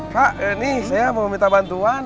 pak ini saya mau minta bantuan